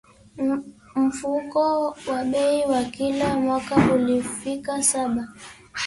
Mfumuko wa bei wa kila mwaka ulifikia saba.